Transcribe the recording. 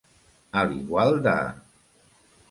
A l'igual de.